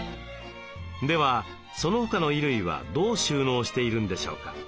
ではその他の衣類はどう収納しているんでしょうか？